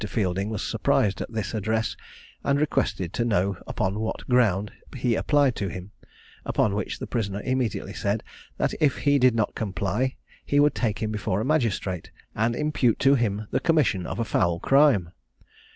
Fielding was surprised at this address, and requested to know upon what ground he applied to him; upon which the prisoner immediately said, that if he did not comply, he would take him before a magistrate, and impute to him the commission of a foul crime.